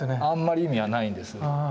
あんまり意味はないんです。